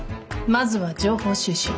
まずは情報収集。